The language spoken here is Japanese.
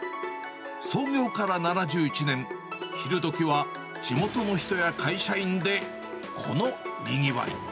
創業から７１年、昼どきは地元の人や会社員でこのにぎわい。